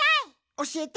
おしえて。